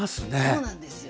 そうなんですよ。